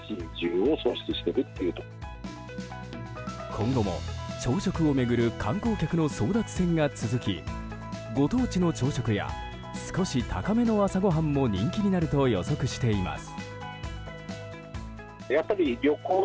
今後も朝食を巡る観光客の争奪戦が続きご当地の朝食や少し高めの朝ごはんも人気になると予測しています。